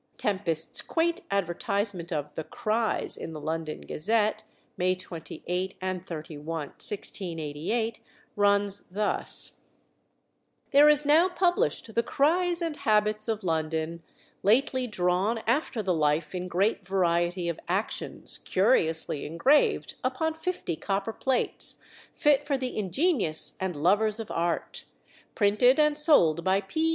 Tempest's quaint advertisement of the "Cries" in the London Gazette, May 28 and 31, 1688, runs thus: "There is now published the Cryes and Habits of London, lately drawn after the life in great variety of actions, curiously engraved upon fifty copper plates, fit for the ingenious and lovers of art. Printed and sold by P.